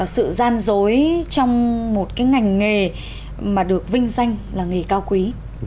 sự gian dối trong một cái ngành nghề mà được vinh danh là nghề cao quý